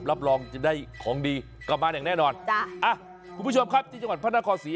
รับรองจะได้ของดีกลับมาอย่างแน่นอนจ้ะอ่ะคุณผู้ชมครับที่จังหวัดพระนครศรี